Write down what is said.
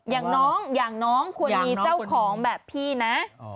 อย่างน้องอย่างน้องควรมีเจ้าของแบบพี่นะ